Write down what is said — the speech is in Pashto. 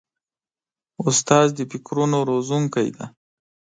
استاد د فکرونو روزونکی دی.